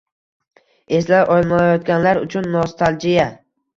Eslay olmayotganlar uchun Nostalgia!